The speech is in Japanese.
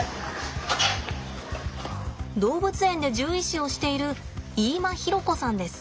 動物園で獣医師をしている飯間裕子さんです。